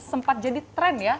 sempat jadi tren ya